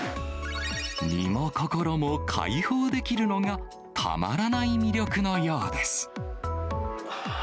身も心も開放できるのが、たまらない魅力のようです。